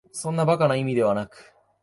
そんな馬鹿な意味ではなく、